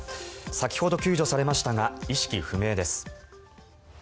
先ほど救助されましたが意識不明です。